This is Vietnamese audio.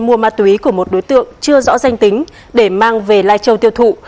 mua ma túy của một đối tượng chưa rõ danh tính để mang về lai châu tiêu thụ